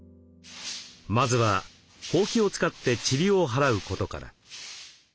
まずはほうきを使ってちりを払うことから。